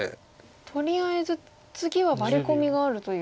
とりあえず次はワリコミがあるという。